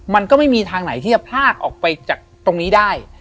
มันก็ไม่มีทางไหนที่จะพลากออกไปจากตรงนี้ได้